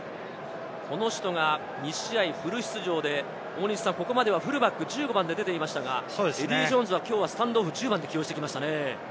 この人が２試合フル出場で、ここまではフルバック、１５番で出ていましたが、エディー・ジョーンズはきょうはスタンドオフ、１０番で起用してきましたね。